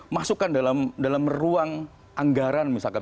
masukkan dalam ruang anggaran misalkan